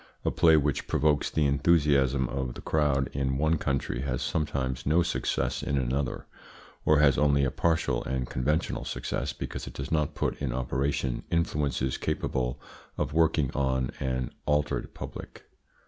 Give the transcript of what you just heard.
A play which provokes the enthusiasm of the crowd in one country has sometimes no success in another, or has only a partial and conventional success, because it does not put in operation influences capable of working on an altered public.